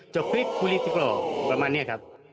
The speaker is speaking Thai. ช็อกพริกกนิทกร์ประมาณนี้ครับ